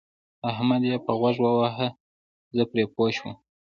احمد يې په غوږ وواهه زه پرې پوه شوم.